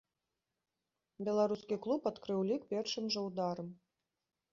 Беларускі клуб адкрыў лік першым жа ударам.